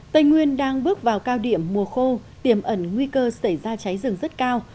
tây nguyên đang bước vào cao điểm mùa khô tiềm ẩn nguy cơ xảy ra cháy rừng rất cao